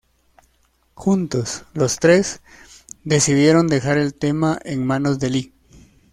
Juntos, los tres, decidieron dejar el tema en manos de Lee.